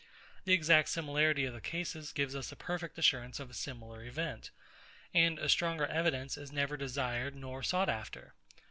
The exact similarity of the cases gives us a perfect assurance of a similar event; and a stronger evidence is never desired nor sought after.